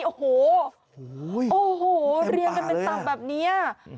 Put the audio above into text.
โอ้โหโอ้โหเรียงกันเป็นต่ำแบบนี้